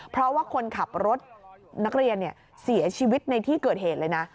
เพราะว่าคนขับรถนักเรียนเสียชีวิตในที่เกิดเหตุเลยนะ